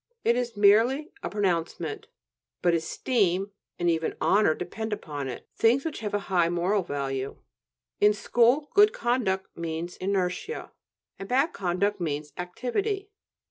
It is merely a pronouncement. But "esteem" and even "honor" depend upon it, things which have a high moral value. In school "good conduct" means inertia, and "bad conduct" means activity.